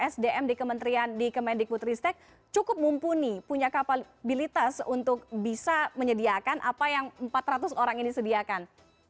sdm di kementerian di kemendik putristek cukup mumpuni punya kapabilitas untuk bisa menyediakan apa yang empat ratus orang ini sediakan